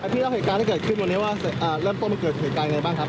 พี่เล่าเหตุการณ์ที่เกิดขึ้นวันนี้ว่าเริ่มต้นมันเกิดเหตุการณ์ยังไงบ้างครับ